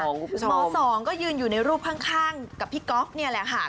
หมอสองก็ยืนอยู่ในรูปข้างกับพี่ก๊อฟนี่แหละค่ะ